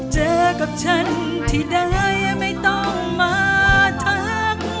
เจอกับฉันที่ใดไม่ต้องมาทัก